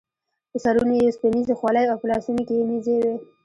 په سرونو یې اوسپنیزې خولۍ او په لاسونو کې یې نیزې وې.